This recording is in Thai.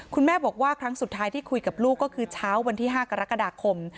คุณแม่บอกว่าครั้งสุดท้ายที่คุยกับลูกก็คือเช้าวันที่๕กรกฎาคม